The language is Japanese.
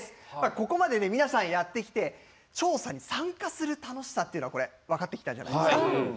ここまで皆さんやってきて調査に参加する楽しさというのが分かってきたんじゃないですか？